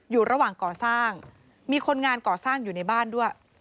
อยู่ระหว่างก่อสร้างมีคนงานก่อสร้างอยู่ในบ้านด้วย